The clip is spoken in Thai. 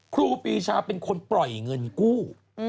ครูปีชาเป็นคนปล่อยเงินกู้